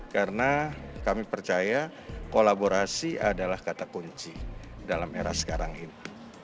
karena kami percaya kolaborasi adalah kata kunci dalam era sekarang ini